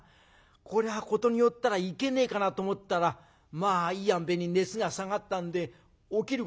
これは事によったらいけねえかなと思ったらまあいいあんばいに熱が下がったんで起きることができた。